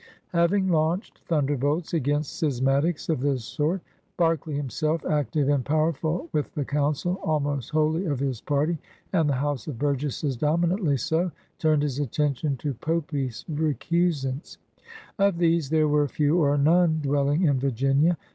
i Having laimched thunderbolts against schis matics of this sort, Berkeley, himself active and powerful, with the Council almost wholly of his party and the House of Burgesses dominantly so, turned his attention to "popish recusants." Of these there Were few or none dwelling in Virginia.